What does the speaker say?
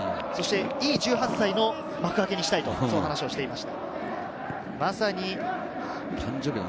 いい１８歳の幕開けにしたいと話をしていました。